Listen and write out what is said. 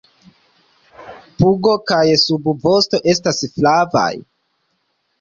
Pugo kaj subvosto estas flavaj.